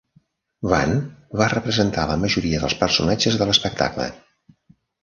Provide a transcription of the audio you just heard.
Van va representar la majoria dels personatges de l'espectacle.